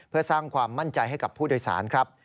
เพื่อสร้างความมั่นใจให้กับผู้โดยสารครับ